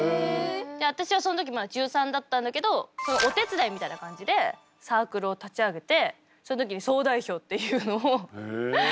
私はその時まだ中３だったんだけどお手伝いみたいな感じでサークルを立ち上げてその時に総代表っていうのをやらせてもらって。